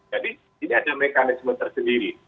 jadi ini ada mekanisme tersebut